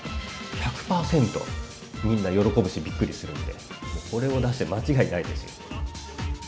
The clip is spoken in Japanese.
１００％みんな喜ぶしびっくりするんでこれを出して間違いないですよ。